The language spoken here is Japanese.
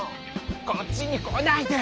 こっちにこないで！